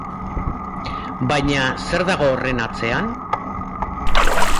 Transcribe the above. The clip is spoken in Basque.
Baina zer dago horren atzean?